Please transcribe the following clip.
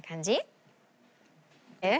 えっ？